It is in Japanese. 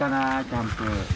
キャンプ。